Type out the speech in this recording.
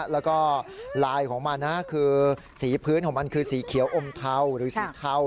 แล้วก็ลายของมันนะคือสีพื้นของมันคือสีเขียวอมเทาหรือสีเทา